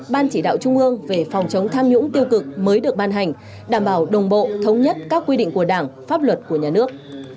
ban chỉ đạo trung ương về phòng chống tham nhũng tiêu cực mới được ban hành đảm bảo đồng bộ thống nhất các quy định của đảng pháp luật của nhà nước